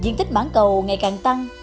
diện tích mảng cầu ngày càng tăng